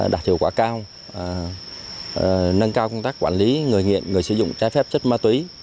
đạt hiệu quả cao nâng cao công tác quản lý người nghiện người sử dụng trái phép chất ma túy